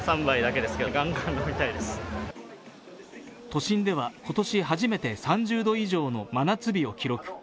都心では今年初めて３０度以上の真夏日を記録。